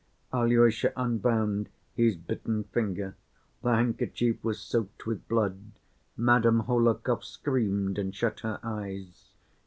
Alyosha unbound his bitten finger. The handkerchief was soaked with blood. Madame Hohlakov screamed and shut her eyes.